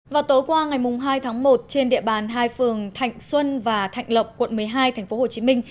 vào tối qua ngày hai tháng một trên địa bàn hai phường thạnh xuân và thạnh lộc quận một mươi hai tp hcm